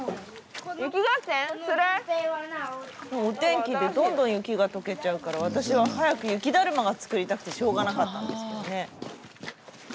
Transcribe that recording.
スタジオお天気でどんどん雪が解けちゃうから私は早く雪だるまが作りたくてしょうがなかったんですけどね。